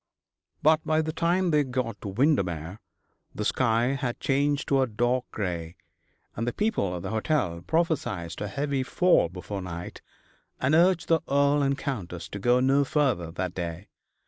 But by the time they got to Windermere the sky had changed to a dark grey, and the people at the hotel prophesied a heavy fall before night, and urged the Earl and Countess to go no further that day.